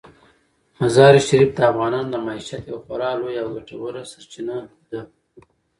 مزارشریف د افغانانو د معیشت یوه خورا لویه او ګټوره سرچینه ده.